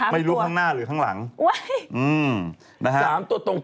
ไม่รู้ข้างหน้าหรือข้างหลังนะฮะสามตัวตรงว่า